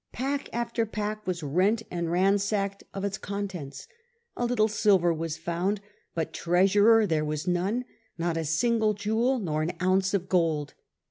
Pack after pack was rent and ransacked of its contents. A little silver was found, but Treasurer there was none, nor a single jewel, nor an ounce of gold.